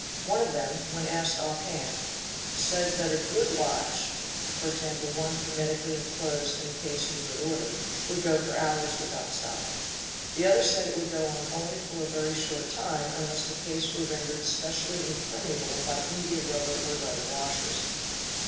One of them, when asked off hand, said that a good watch, 7.e., one hermetically enclosed in a case in good order, would go for hours without stopping. The other said it would go only for a very short time unless the case were rendered specially impermeable by india rubber or leather washers.